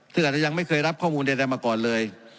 ซึ่งอาจจะยังไม่เคยรับข้อมูลใดมาก่อนเลย